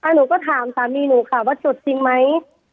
หนูก็ถามสามีหนูค่ะว่าจุดจริงไหม